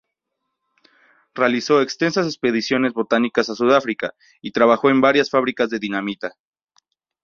Realizó extensas expediciones botánicas a Sudáfrica, y trabajó en varias fábricas de dinamita.